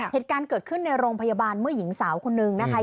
เหตุการณ์เกิดขึ้นในโรงพยาบาลเมื่อหญิงสาวคนนึงนะคะ